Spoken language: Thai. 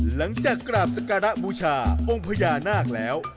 หลังจากกราบสการะบูชาองค์พญานาคแล้ว